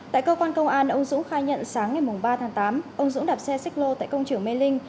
tại cơ quan công an ông dũng khai nhận sáng ngày ba tháng tám ông dũng đạp xe xích lô tại công trường mê linh